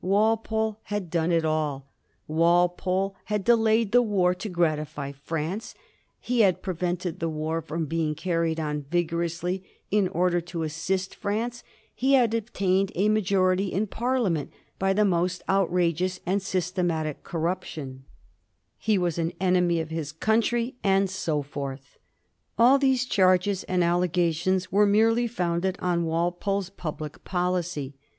Walpole had done it all; Walpole had delayed the war to gratify France ; he had prevented the war from being carried on vigorously in order to assist France ; he had obtained a majority in Parliament by the most outrageous and systematic corruption; he was an enemy of his country, and so forth. All these charges and allegations were merely founded on Walpole's public policy.